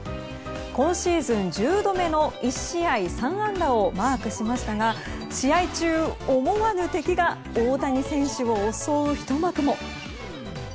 今シーズン１０度目の１試合３安打をマークしましたが試合中、思わぬ敵が大谷選手を襲うひと幕も。